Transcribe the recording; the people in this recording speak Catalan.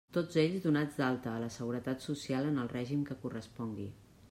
Tots ells donats d'alta a la Seguretat Social en el règim que correspongui.